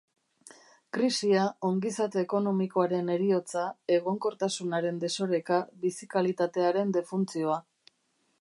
Krisia, ongizate ekonomikoaren heriotza, egonkortasunaren desoreka, bizi kalitatearen defuntzioa.